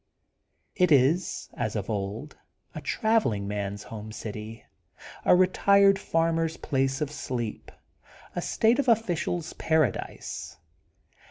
It is as of old, a travelling man's home city, a retired farmer's place of sleep, a state of ficial's paradise.